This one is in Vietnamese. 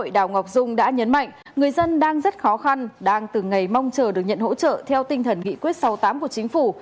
bộ trưởng bộ đào ngọc dung đã nhấn mạnh người dân đang rất khó khăn đang từ ngày mong chờ được nhận hỗ trợ theo tinh thần nghị quyết sáu mươi tám của chính phủ